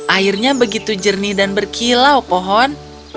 airnya begitu jernih dan berkilau pohon